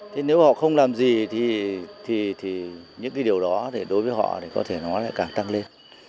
thế nếu họ không làm gì thì những cái điều đó thì đối với họ thì có thể nó lại càng tăng lên